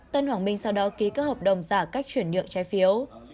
tân hoàng minh sau đó ký các hợp đồng giả cách chuyển nhượng trái phiếu